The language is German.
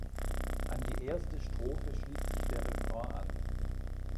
An die erste Strophe schließt sich der Refrain an.